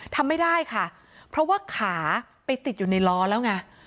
ทำไม่ได้ค่ะเพราะว่าขาไปติดอยู่ในล้อแล้วไง